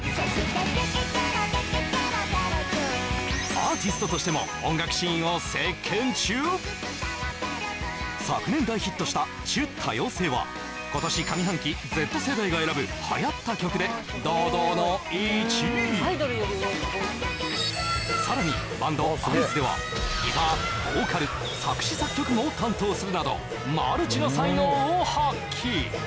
アーティストとしても昨年大ヒットした「ちゅ、多様性。」は今年上半期Ｚ世代が選ぶ流行った曲で堂々の１位さらにバンドＩ’ｓではギターボーカル作詞作曲も担当するなどマルチな才能を発揮